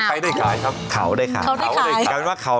ใครได้ขายครับเขาได้ขายเขาได้ขายกลายจากว่าเขา